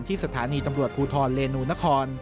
สถานีตำรวจภูทรเรนูนคร